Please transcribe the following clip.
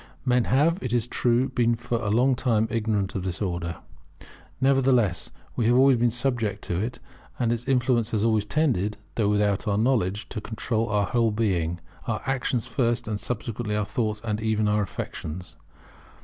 Men have, it is true, been for a long time ignorant of this Order. Nevertheless we have been always subject to it; and its influence has always tended, though without our knowledge, to control our whole being; our actions first, and subsequently our thoughts, and even our affections.